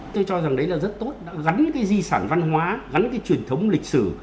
tôi cho rằng đấy là rất tốt đã gắn cái di sản văn hóa gắn cái truyền thống lịch sử